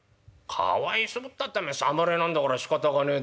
「かわいそうったってお前侍なんだからしかたがねえだろ」。